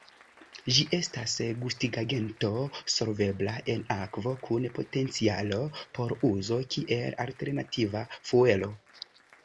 Ĝi estas gustigagento solvebla en akvo kun potencialo por uzo kiel alternativa fuelo.